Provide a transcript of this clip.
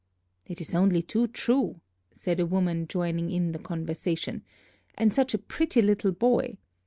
"It is only too true," said a woman, joining in the conversation; "and such a pretty little boy!